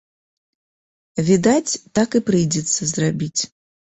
Відаць, так і прыйдзецца зрабіць.